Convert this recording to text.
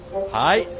はい！